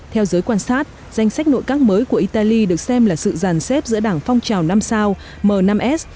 theo giới quan sát danh sách nội các mới của italy được xem là sự giàn xếp giữa đảng phong trào năm sao m năm s